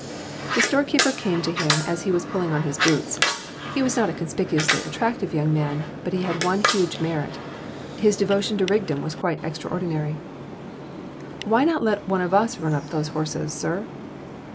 The storekeeper came to him as he was pulling on his boots. He was not a conspicuously attractive young man, but he had one huge merit. His devotion to Rigden was quite extraordinary. "Why not let one of us run up those horses, sir?"